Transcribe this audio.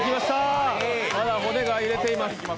まだ骨が揺れています。